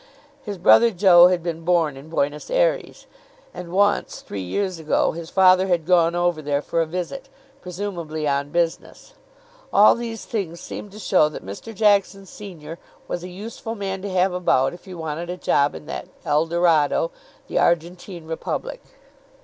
His brother Joe had been born in Buenos Ayres; and once, three years ago, his father had gone over there for a visit, presumably on business. All these things seemed to show that Mr. Jackson senior was a useful man to have about if you wanted a job in that Eldorado, the Argentine Republic.